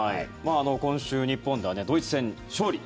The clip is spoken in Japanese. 今週、日本ではドイツ戦勝利